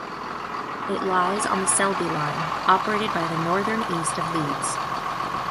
It lies on the Selby Line, operated by Northern east of Leeds.